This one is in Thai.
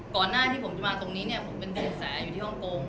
ก่อนหน้าที่ผมจะมาตรงนี้เนี่ยผมเป็นดินแสอยู่ที่ฮ่องกง